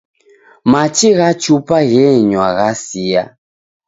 Machi gha chupa ghenywa ghasia.